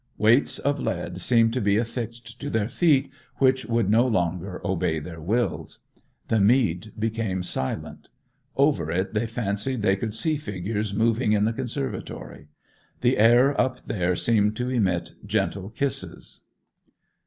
Weights of lead seemed to be affixed to their feet, which would no longer obey their wills. The mead became silent. Over it they fancied they could see figures moving in the conservatory. The air up there seemed to emit gentle kisses.